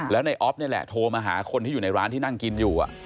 แล้วในออฟนี่แหละโทรมาหาคนที่อยู่ในร้านที่นั่งกินอยู่